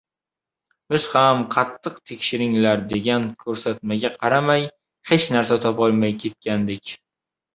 Biz ham, qattiq tekshiringlar, degan ko‘rsatmaga qaramay, «hech narsa» topolmay ketgandik.